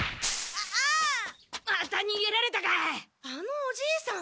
あのおじいさん